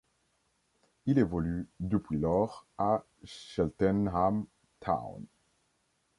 Il évolue depuis lors à Cheltenham Town.